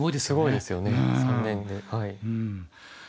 すごいですよね３年で。